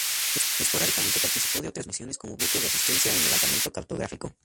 Esporádicamente participó de otras misiones como buque de asistencia en levantamiento cartográfico.